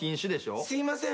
私すいません。